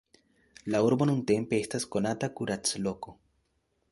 La urbo nuntempe estas konata kuracloko.